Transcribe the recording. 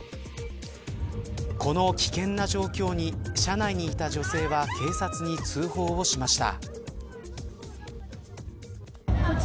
この危険な状況に車内にいた女性は警察に通報しました。